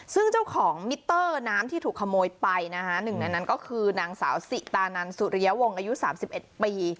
ซึ่งเจ้าของมิเตอร์น้ำที่ถูกขโมยไปนะคะหนึ่งในนั้นก็คือนางสาวสิตานันสุริยวงศ์อายุ๓๑ปี